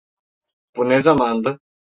Bu ne zamandı?